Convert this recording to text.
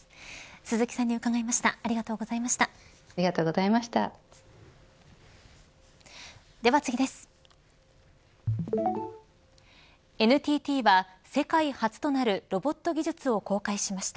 鈴木さんに伺いました。